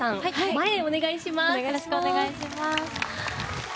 前へお願いします。